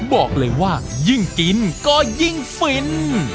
บอกเลยว่ายิ่งกินก็ยิ่งฟิน